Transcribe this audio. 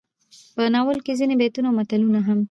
په ناول کې ځينې بيتونه او متلونه هم